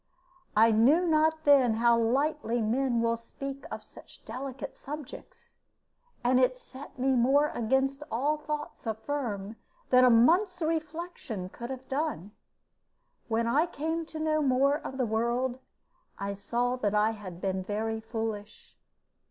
I knew not then how lightly men will speak of such delicate subjects; and it set me more against all thoughts of Firm than a month's reflection could have done. When I came to know more of the world, I saw that I had been very foolish.